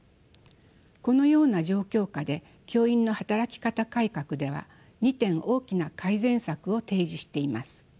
このような状況下で教員の働き方改革では２点大きな改善策を提示しています。